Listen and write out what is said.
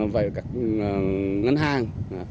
với các ngân hàng